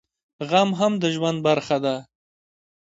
غم هم د ژوند برخه ده